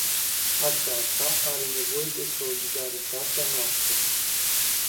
Aceasta are nevoie de solidaritatea noastră.